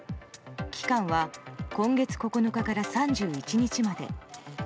期間は今月９日から３１日まで。